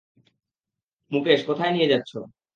মুকেশ, কোথায় নিয়ে যাচ্ছ?